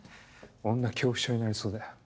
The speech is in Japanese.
女恐怖症になりそうだよ。